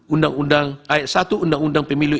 undang undang ayat satu undang undang pemilu